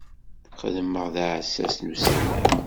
Xeddmeɣ d aɛessas n usalay